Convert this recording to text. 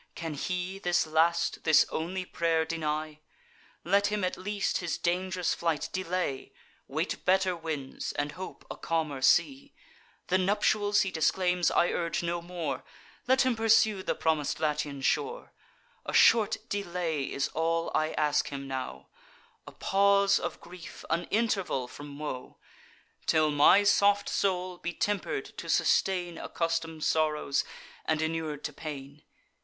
Can he this last, this only pray'r deny! Let him at least his dang'rous flight delay, Wait better winds, and hope a calmer sea. The nuptials he disclaims I urge no more: Let him pursue the promis'd Latian shore. A short delay is all I ask him now; A pause of grief, an interval from woe, Till my soft soul be temper'd to sustain Accustom'd sorrows, and inur'd to pain.